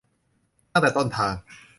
ตั้งแต่ต้นทาง